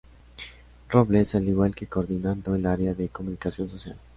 Robles, al igual que coordinando el área de comunicación social.